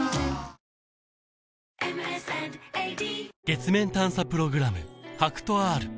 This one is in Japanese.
月面探査プログラム